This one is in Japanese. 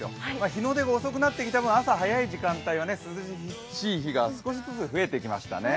日の出が遅くなってきた分、朝早い時間帯は涼しい日が少しずつ増えてきましたね。